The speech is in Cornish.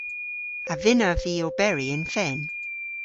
A vynnav vy oberi yn fen?